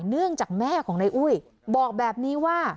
เนื่องจากแม่ของนายอุ้ยบอกแบบนี้ว่า